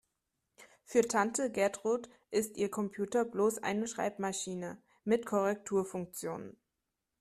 Für Tante Gertrud ist ihr Computer bloß eine Schreibmaschine mit Korrekturfunktion.